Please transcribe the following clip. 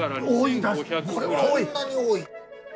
そんなに多い！